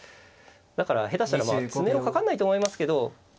だから下手したらまあ詰めろかかんないと思いますけど。